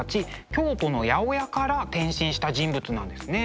京都の八百屋から転身した人物なんですね。